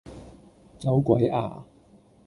走鬼吖